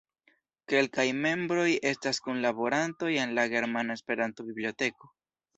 Kelkaj membroj estas kunlaborantoj en la Germana Esperanto-Biblioteko.